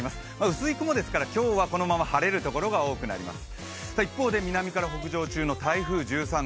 薄い雲ですから今日はこのまま晴れるところが多くなります。